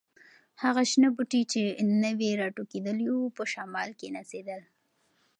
هغه شنه بوټي چې نوي راټوکېدلي وو، په شمال کې نڅېدل.